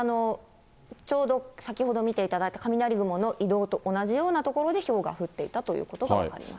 ちょうど先ほど見ていただいた雷雲の移動と同じような所で、ひょうが降っていたということが分かります。